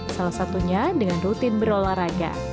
salah satunya dengan rutin berolahraga